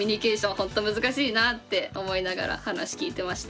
ほんと難しいなって思いながら話聞いてました。